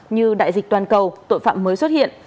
như đại dịch toàn cầu tội phạm mới xuất hiện